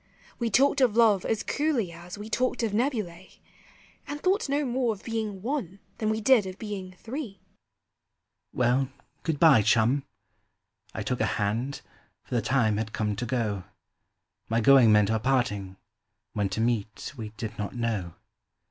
We talked of love as coolly as we talked of nebula'. And thought no more of being one than we did of being three. Digitized by Google ■ 374 POEMS OF FRIENDSHIP. "Well, good bye, chuin !" I took her hand, for the time had come to go. My going meant our parting, when to meet, we did not know.